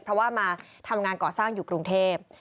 เพราะว่ามาทำงานก่อสร้างอยู่กรุงเทพ